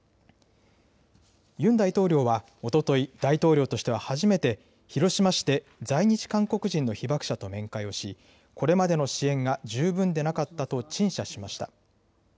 ユン大統領はおととい、大統領としては初めて、広島市で在日韓国人の被爆者と面会をし、これまでの支援が十分でなかったと陳謝しました。